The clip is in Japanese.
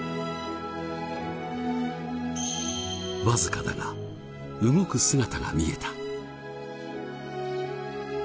わずかだが動く姿が見えた。